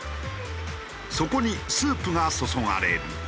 そこにスープが注がれる。